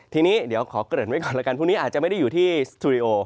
ทีนี้เดี๋ยวขอเกริ่นไว้ก่อนแล้วกันพรุ่งนี้อาจจะไม่ได้อยู่ที่สตูดิโอ